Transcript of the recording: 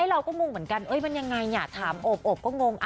เราก็งงเหมือนกันมันยังไงถามโอบก็งง